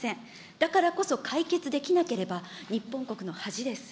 だからこそ解決できなければ、日本国の恥です。